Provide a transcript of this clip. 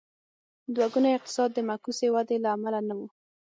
دوه ګونی اقتصاد د معکوسې ودې له امله نه و.